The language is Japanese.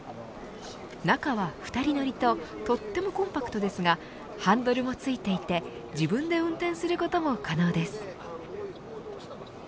中は２人乗りととってもコンパクトですがハンドルも付いていて自分で運転することも可能です。